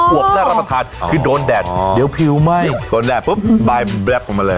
วบน่ารับประทานคือโดนแดดเดี๋ยวผิวไหม้โดนแดดปุ๊บใบมันแบล็คออกมาเลย